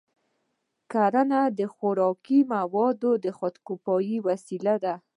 کرنه د خوراکي موادو د خودکفایۍ وسیله ده.